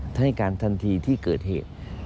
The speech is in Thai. ให้การทันทีที่เกิดเหตุ